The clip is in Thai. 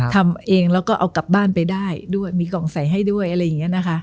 ทำเองแล้วก็เอากลับบ้านไปได้ด้วยมีกล่องใส่ให้ด้วยอะไรอย่างนี้นะคะ